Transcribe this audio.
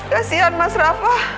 kasian mas rafa